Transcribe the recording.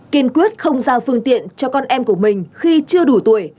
kiên quyết không giao phương tiện cho con em của mình khi chưa đủ tuổi